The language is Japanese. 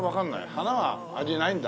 花は味ないんだ？